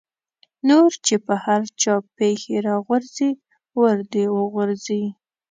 نور چې په هر چا پېښې را غورځي ور دې وغورځي.